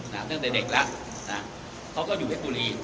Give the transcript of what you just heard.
ตั้งแต่เด็กแล้วนะเขาก็อยู่เพชรบุรี